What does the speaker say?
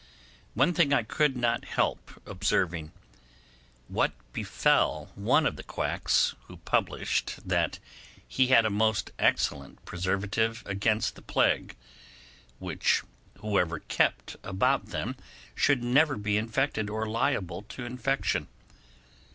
One thing I could not help observing: what befell one of the quacks, who published that he had a most excellent preservative against the plague, which whoever kept about them should never be infected or liable to infection.